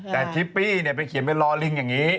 แต่ทิปปี้ไปเขียนเป็นรอลิงอย่างนี้